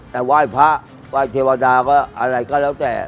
แต่ไหว้พระไหว้เทวดาว่าอะไรก็แล้วแต่